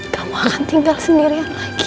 kamu akan tinggal sendirian lagi